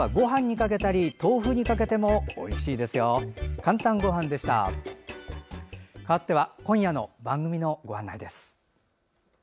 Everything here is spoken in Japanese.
かわっては今夜の番組のご案内です。